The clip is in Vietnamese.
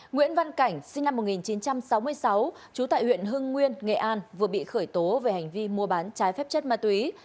nguyễn văn cảnh sinh năm một nghìn chín trăm sáu mươi sáu trú tại huyện hưng nguyên nghệ an vừa bị khởi tố về hành vi mua bán trái phép chất ma túy